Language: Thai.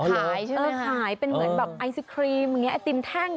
ขายเป็นเหมือนไอศครีมไอติมแท่ง